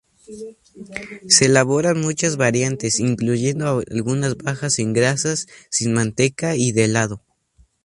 Se elaboran muchas variantes, incluyendo algunas bajas en grasa, sin manteca y de helado.